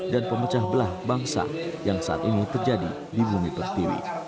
dan pemecah belah bangsa yang saat ini terjadi di bumi pek tiwi